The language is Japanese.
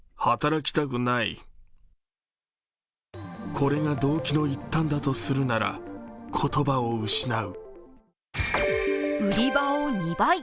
これが動機の一端だとするなら言葉を失う。